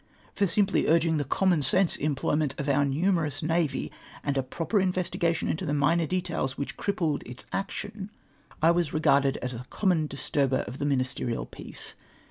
For simply urging the common sense employ ment of our numerous navy, and a proper investigation into the minor details which crippled its action, I was UNDER A FALSE SYSTEM, 225 regarded as a common disturber of the ministerial peace.